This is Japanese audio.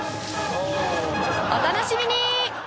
お楽しみに！